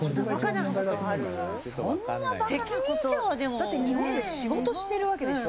だって日本で仕事してるわけでしょ。